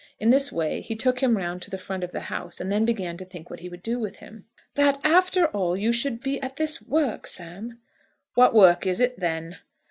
In this way he took him round to the front of the house, and then began to think what he would do with him. "That, after all, you should be at this work, Sam!" "What work is it, then?"